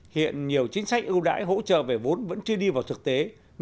hiện nhiều chính sách ưu đãi hỗ trợ về vốn vẫn chưa đi vào thực tế